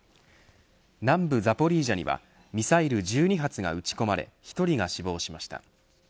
南部ザポリージャにはミサイル１２発が撃ち込まれ１人が死亡しました。